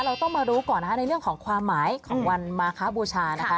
เราต้องมารู้ก่อนนะคะในเรื่องของความหมายของวันมาคะบูชานะคะ